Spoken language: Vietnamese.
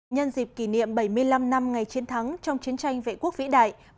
nhân dịp kỷ niệm bảy mươi năm năm ngày chiến thắng trong chiến tranh vệ quốc vĩ đại